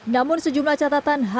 namun sejumlah catatan yang ditemukan